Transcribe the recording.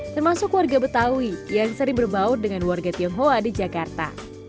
termasuk warga betawi yang sering berbaur dengan warga tionghoa di jakarta